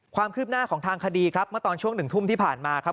ความคืบหน้าของทางคดีครับเมื่อตอนช่วง๑ทุ่มที่ผ่านมาครับ